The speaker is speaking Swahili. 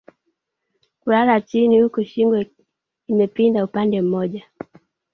Kulala chini huku shingo imepinda upande mmoja